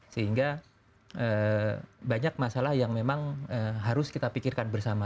sehingga banyak masalah yang memang harus kita pikirkan bersama